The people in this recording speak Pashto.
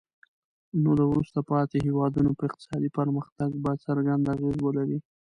نو د وروسته پاتې هیوادونو په اقتصادي پرمختګ به څرګند اغیز ولري.